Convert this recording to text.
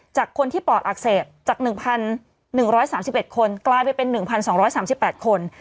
จากคนที่ปลอดอักเสบจากหนึ่งพันหนึ่งร้อยสามสิบเอ็ดคนกลายไปเป็นหนึ่งพันสองร้อยสามสิบแปดคน